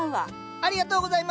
ありがとうございます！